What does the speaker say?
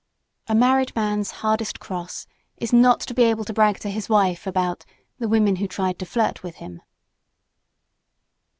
A married man's hardest cross is not to be able to brag to his wife about the women who "tried to flirt with him."